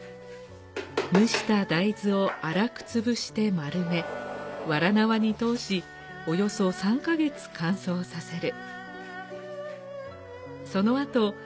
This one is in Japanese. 蒸した大豆を粗く潰して丸め、わら縄に通し約３カ月乾燥させる。